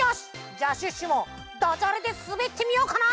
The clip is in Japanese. じゃあシュッシュもだじゃれですべってみようかな？